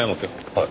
はい。